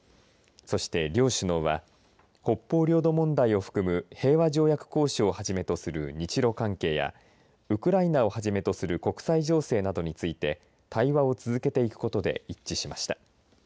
そして両首脳は北方領土問題を含む平和条約交渉をはじめとする日ロ関係やウクライナをはじめとする国際情勢などについて対話を続けていくことで一致しました。